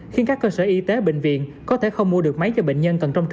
khiến các cơ sở y tế bệnh viện có thể không mua được máy cho bệnh nhân